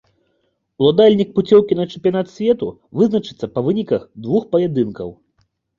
Уладальнік пуцёўкі на чэмпіянат свету вызначыцца па выніках двух паядынкаў.